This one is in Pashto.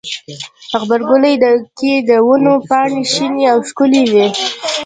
غبرګولی کې د ونو پاڼې شنې او ښکلي وي.